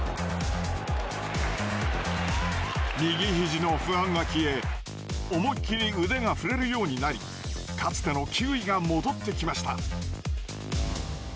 右ひじの不安が消え思い切り腕が振れるようになりかつての球威が戻ってきました。